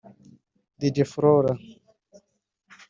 Dj Flora